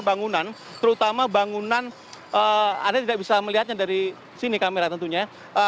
bangunan terutama bangunan anda tidak bisa melihatnya dari sini karena ini adalah bangunan yang tidak bisa diperlihatkan